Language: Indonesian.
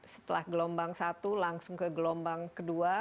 setelah gelombang satu langsung ke gelombang kedua